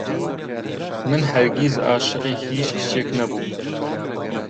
من هەرگیز عاشقی هیچ کچێک نەبووم.